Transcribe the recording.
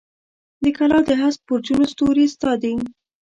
د کلا د هسک برجونو ستوري ستا دي